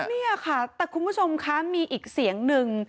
นี่ค่ะแต่คุณผู้ชมคะมีอีกเสียงหนึ่ง